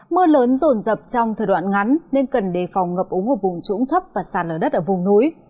mưa lớn rồn rập trong thời đoạn ngắn nên cần đề phòng ngập úng ở vùng trũng thấp và sàn ở đất ở vùng núi